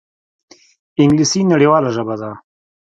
انګلیسي نړیواله ژبه ده